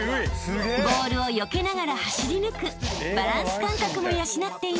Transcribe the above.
［ボールをよけながら走り抜くバランス感覚も養っています］